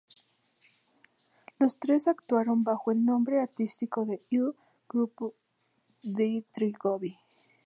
Los tres actuaron bajo el nombre artístico de "Il gruppo dei tre gobbi".